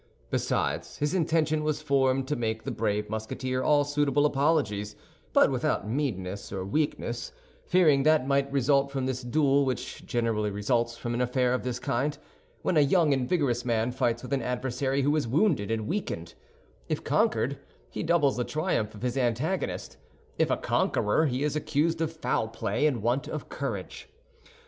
Besides, his intention was formed to make the brave Musketeer all suitable apologies, but without meanness or weakness, fearing that might result from this duel which generally results from an affair of this kind, when a young and vigorous man fights with an adversary who is wounded and weakened—if conquered, he doubles the triumph of his antagonist; if a conqueror, he is accused of foul play and want of courage.